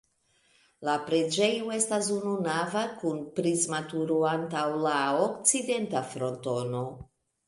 La preĝejo estas ununava kun prisma turo antaŭ la okcidenta frontono.